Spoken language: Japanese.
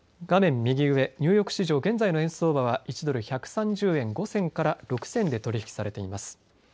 右上ニューヨーク市場現在の円相場は１ドル１３０円５銭から６銭で取り引きされています。